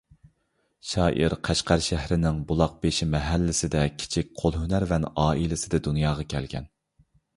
شائىر قەشقەر شەھىرىنىڭ بۇلاقبېشى مەھەللىسىدە كىچىك قول ھۈنەرۋەن ئائىلىسىدە دۇنياغا كەلگەن.